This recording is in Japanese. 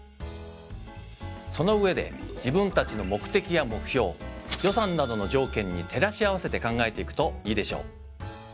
その上で自分たちの目的や目標予算などの条件に照らし合わせて考えていくといいでしょう。